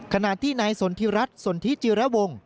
ขนาดที่ในสนทรัศน์สนทรีย์จีระวง